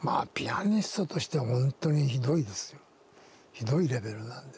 ひどいレベルなんで。